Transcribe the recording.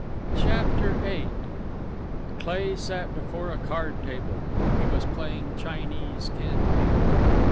CHAPTER VIII Cleigh sat before a card table; he was playing Chinese Canfield.